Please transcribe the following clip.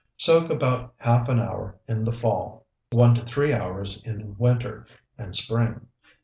Soak about half an hour in the fall, one to three hours in winter and spring.